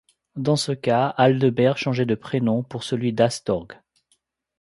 Dans ce cas Aldebert changeait de prénom pour celui d'Astorg.